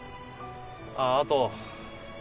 あっあと。